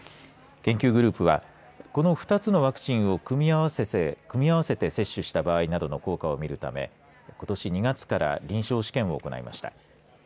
研究グループはこの２つのワクチンを組み合わせて接種した場合などの効果をみるためことし２月から臨床試験を行いました。